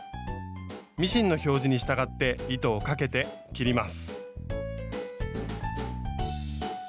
ミシンの表示に従って糸をかけて切ります。